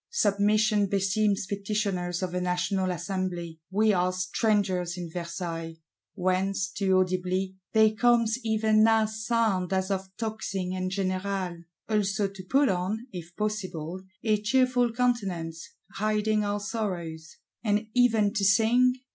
Submission beseems petitioners of a National Assembly; we are strangers in Versailles,—whence, too audibly, there comes even now sound as of tocsin and générale! Also to put on, if possible, a cheerful countenance, hiding our sorrows; and even to sing?